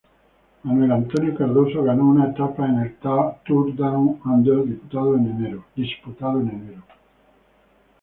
Manuel Antonio Cardoso ganó una etapa en el Tour Down Under disputado en enero.